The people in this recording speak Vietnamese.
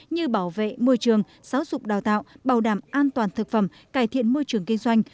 như bảo vệ môi trường giáo dục đào tạo bảo đảm an toàn thực phẩm cải thiện môi trường kinh doanh